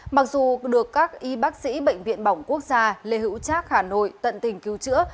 mặc dù được các y bác sĩ bệnh viện bỏng quốc gia lê hữu trác hà nội tận tình cứu chữa